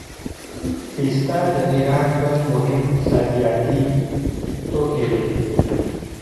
پسته د ایران بل مهم صادراتي توکی دی.